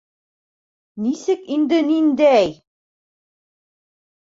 Нисек инде «ниндәй»?